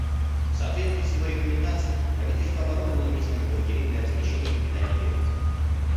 В соответствии с его рекомендациями правительство оборудовало несколько лагерей для размещения и питания беженцев.